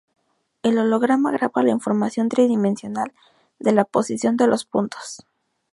El holograma graba la información tridimensional de la posición de los puntos.